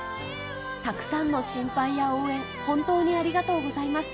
たくさんの心配や応援、本当にありがとうございます。